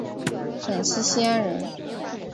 陕西西安人。